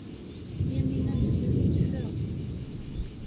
Yamina tella tetteffeɣ.